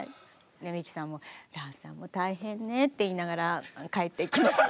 でミキさんも「蘭さんも大変ね」って言いながら帰っていきました。